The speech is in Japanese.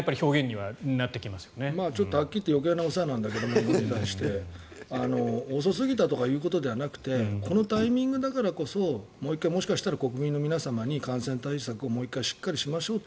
はっきり言って余計なお世話なんだけど遅すぎたということではなくてこのタイミングだからこそもう１回、もしかしたら国民の皆さんに感染対策をもう１回しっかりしましょうと。